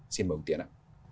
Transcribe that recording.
xin mời ông tiến ạ